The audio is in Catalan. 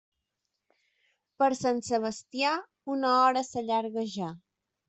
Per Sant Sebastià, una hora s'allarga ja.